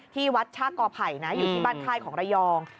ที่วัดชากกอไผ่นะอยู่ที่บ้านค่ายของระยอง